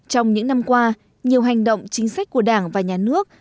trong những năm qua nhiều hành động chính sách của đảng và nhà nước